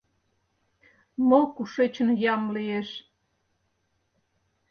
Мо кушечын ям лиеш?